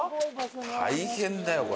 大変だよこれ。